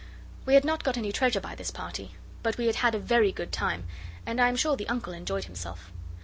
We had not got any treasure by this party, but we had had a very good time, and I am sure the Uncle enjoyed himself.